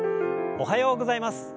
おはようございます。